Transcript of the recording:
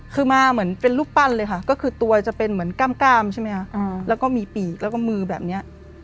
คือมาเหมือนเป็นรูปปั้นเลยค่ะก็คือตัวจะเป็นเหมือนกล้ามใช่ไหมคะแล้วก็มีปีกแล้วก็มือแบบนี้